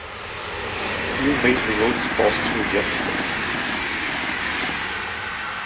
A few major roads pass through Jefferson.